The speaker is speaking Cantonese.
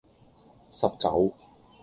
十九